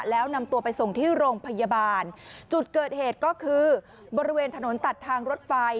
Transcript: แล้วนำตัวไปส่งที่โรงพยาบาลจุดเกิดเหตุก็คือบริเวณถนนตัดทางรถไฟ